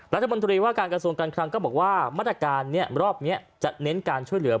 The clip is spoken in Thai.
รัฐมนตรีว่าการกรรโสกรรครัมก็บอกว่ามาตรการในรอบจะเน้นการช่วยเหลือ